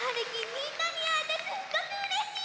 みんなにあえてすっごくうれしい！